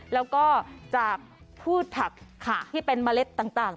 แล้วก็จากพืชผักที่เป็นเมล็ดต่าง